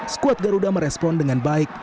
skuad garuda merespon dengan baik